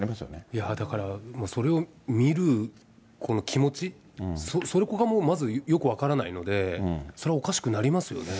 いやぁ、だからそれを見る、この気持ち、そこがもうまずよく分からないので、それはおかしくなりますよね。